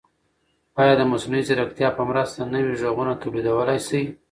ایا د مصنوعي ځیرکتیا په مرسته نوي غږونه تولیدولای شئ؟